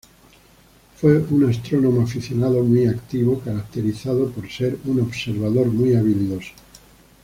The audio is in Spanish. Fue un astrónomo aficionado muy activo, caracterizado por ser un observador muy habilidoso.